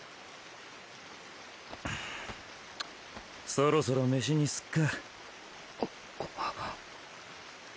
そろそろ飯にすっか。